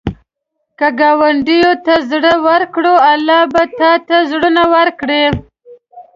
که ګاونډي ته زړه ورکړې، الله به تا ته زړونه ورکړي